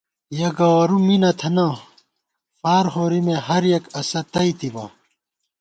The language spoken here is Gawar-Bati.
یَہ گوَرُوم می نہ تھنہ، فارہورِمےہر یَک اسہ تئیتِبہ